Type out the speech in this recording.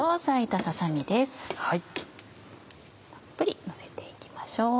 たっぷりのせて行きましょう。